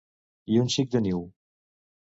I un xic de niu.